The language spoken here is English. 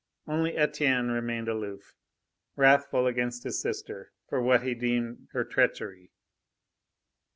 Only Etienne remained aloof, wrathful against his sister for what he deemed her treachery.